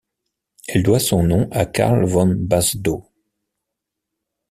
Elle doit son nom à Carl von Basedow.